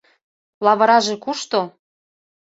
Лавыраже кушто -